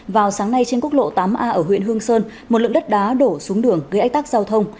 vào sáng nay trên quốc lộ tám a ở huyện hương sơn một lượng đất đá đổ xuống đường gây ách tắc giao thông